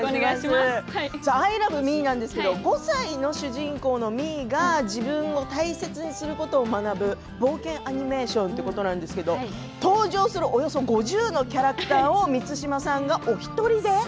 「アイラブみー」ですが５歳の主人公のみーが自分を大切にすることを学ぶ冒険アニメーションということなんですけど登場する、およそ５０のキャラクターを満島さんがお一人で。